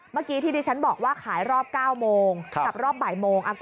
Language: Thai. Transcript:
เมื่อกี้ที่ดิฉันบอกว่าขายรอบ๙โมงกับรอบบ่ายโมง